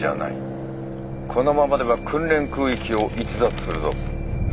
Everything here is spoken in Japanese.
このままでは訓練空域を逸脱するぞ。